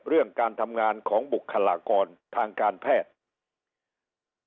เรื่องการทำงานของบุคลากรทางการแพทย์